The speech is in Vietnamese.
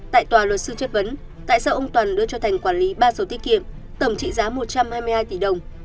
tại tòa luật sư chất vấn tại sao ông toàn đưa cho thành quản lý ba sổ tiết kiệm tổng trị giá một trăm hai mươi hai tỷ đồng